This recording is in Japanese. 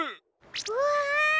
うわ！